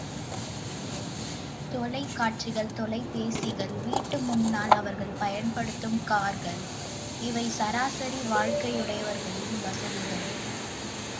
தொலைக்காட்சிகள், தொலைபேசிகள், வீட்டு முன்னால் அவர்கள் பயன்படுத்தும் கார்கள் இவை சராசரி வாழ்க்கையுடையவர்களின் வசதிகள்.